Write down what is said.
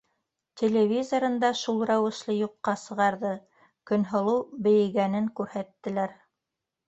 Телевизорын да шул рәүешле юҡҡа сығарҙы: Көнһылыу бейегәнен күрһәттеләр.